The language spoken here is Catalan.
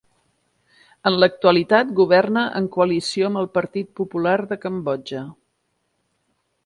En l'actualitat governa en coalició amb el Partit Popular de Cambodja.